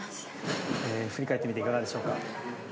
振り返ってみていかがでしょうか？